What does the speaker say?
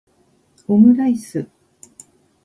omuraisu